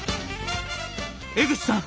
「江口さん